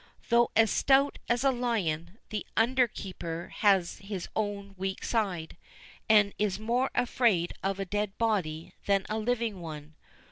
Though as stout as a lion, the under keeper has his own weak side, and is more afraid of a dead body than a living one.